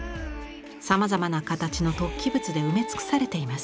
さまざまな形の突起物で埋め尽くされています。